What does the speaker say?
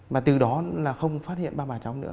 mà từ đó là không phát hiện ba bà cháu nữa